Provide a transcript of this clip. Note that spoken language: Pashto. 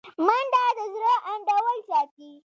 منډه د زړه انډول ساتي